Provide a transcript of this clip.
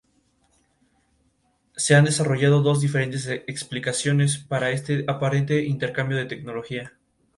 A ella pertenecen Joseph Haydn, Wolfgang Amadeus Mozart y Ludwig van Beethoven.